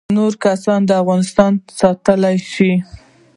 نور کسان افغانستان ته ستانه شي